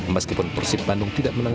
meskipun persib bandung tidak menang